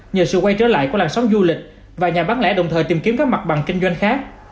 nhờ sự quay trở lại của làn sóng du lịch và nhà bán lẻ đồng thời tìm kiếm các mặt bằng kinh doanh khác